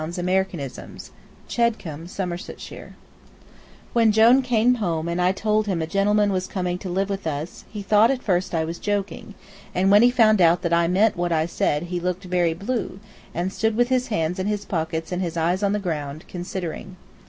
Letter Number Six CHEDCOMBE, SOMERSETSHIRE When Jone came home and I told him a gentleman was coming to live with us, he thought at first I was joking; and when he found out that I meant what I said he looked very blue, and stood with his hands in his pockets and his eyes on the ground, considering.